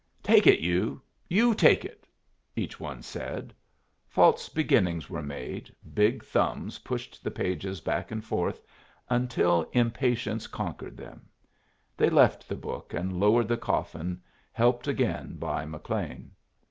"Take it, you; you take it," each one said. False beginnings were made, big thumbs pushed the pages back and forth, until impatience conquered them. They left the book and lowered the coffin, helped again by McLean.